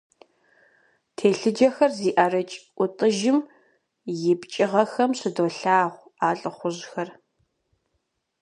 Телъыджэхэр зи ӀэрыкӀ ӀутӀыжым и пкӀыгъэхэм щыдолъагъу а лӀыхъужьхэр.